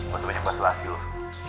mau sebanyak bahas selesai loh